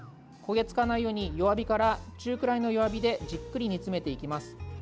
焦げ付かないように弱火から中くらいの弱火でじっくり煮詰めていきます。